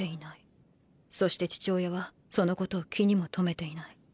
そして父親はそのことを気にも留めていない。